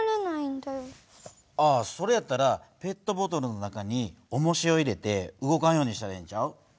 それやったらペットボトルの中におもしを入れて動かんようにしたらええんちゃう？